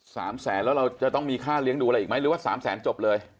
สามแสนแล้วเราจะต้องมีค่าเลี้ยงดูอะไรอีกไหมหรือว่าสามแสนจบเลย